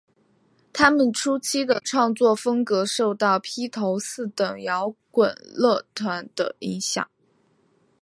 她们初期的创作风格受到披头四等摇滚乐团的影响。